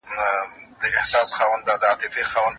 .ساقي به وي، خُم به خالي وي، میخواران به نه وي